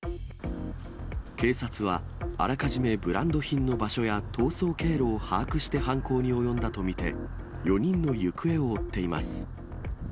警察は、あらかじめブランド品の場所や逃走経路を把握して犯行に及んだと見て、４人の行方を追っています。